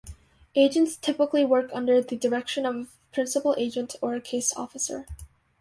Agents typically work under the direction of a principal agent or a case officer.